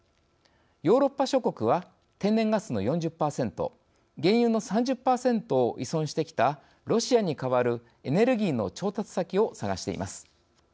ヨーロッパ諸国は天然ガスの４０％原油の３０％を依存してきたロシアに代わるエネルギーの調達先を探しています。